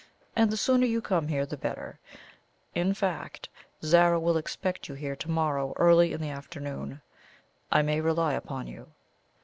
And the sooner you come here the better in fact, Zara will expect you here to morrow early in the afternoon. I may rely upon you?"